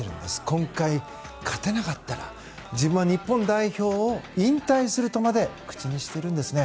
今回、勝てなかったら自分は日本代表を引退するとまで口にしているんですね。